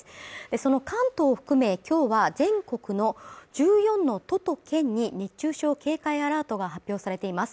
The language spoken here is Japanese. その関東含め今日は全国の１４の都と県に熱中症警戒アラートが発表されています。